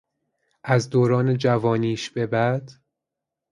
از دوران جوانیش به بعد